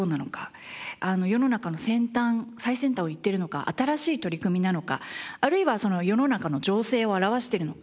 世の中の先端最先端を行っているのか新しい取り組みなのかあるいは世の中の情勢を表しているのか。